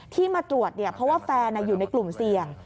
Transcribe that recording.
ที่มาตรวจเพราะว่าแฟนอยู่ในกลุ่มเสี่ยง